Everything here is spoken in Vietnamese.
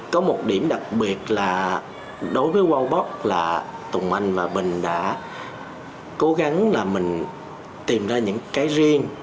có một điểm đặc biệt là đối với quang bắc là tùng anh và bình đã cố gắng là mình tìm ra những cái riêng